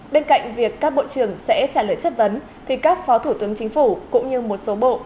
bên cạnh việc các bộ trưởng sẽ trả lời chất vấn thì các phó thủ tướng chính phủ cũng như một số bộ